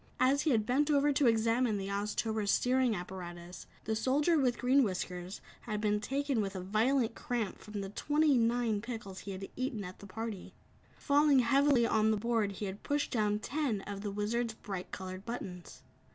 As he had bent over to examine the Oztober's steering apparatus, the Soldier with Green Whiskers had been taken with a violent cramp from the twenty nine pickles he had eaten at the party. Falling heavily on the board he had pushed down ten of the Wizard's bright colored buttons.